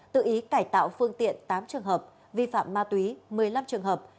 tự ý cải tạo phương tiện tám trường hợp vi phạm ma túy một mươi năm trường hợp